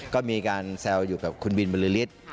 ก็มีการแซวอยู่กับคุณบินบริษฐ์